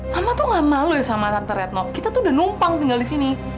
hama tuh gak malu ya sama tante retnov kita tuh udah numpang tinggal di sini